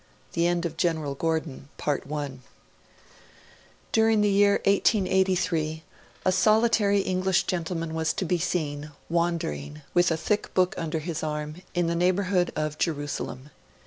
The End of General Gordon DURING the year 1883 a solitary English gentleman was to be seen, wandering, with a thick book under his arm, in the neighbourhood of Jerusalem.